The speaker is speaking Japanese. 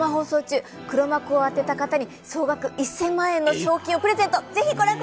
生放送中、黒幕を当てた方に総額１０００万円の賞金をプレゼント。